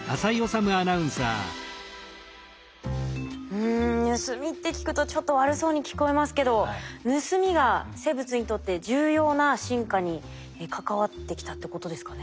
うん「盗み」って聞くとちょっと悪そうに聞こえますけど盗みが生物にとって重要な進化に関わってきたってことですかね。